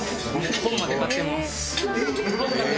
本まで買ってます。